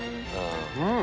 うん！